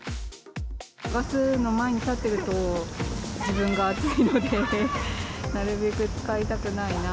ガスの前に立ってると、自分が暑いので、なるべく使いたくないな。